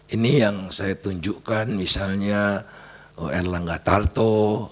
ini yang saya tunjukkan misalnya erlangga tarto